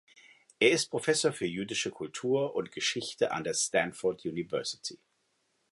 Er ist Professor für Jüdische Kultur und Geschichte an der Stanford University.